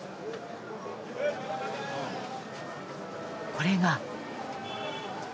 これが。